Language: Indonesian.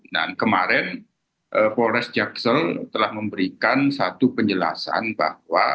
nah kemarin polres jaksel telah memberikan satu penjelasan bahwa